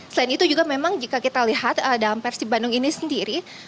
selain itu juga memang jika kita lihat dalam persib bandung ini sendiri